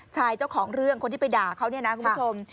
ชายเจ้าของเรื่องคนที่ไปด่าเขาเนี่ยนะคุณผู้ชม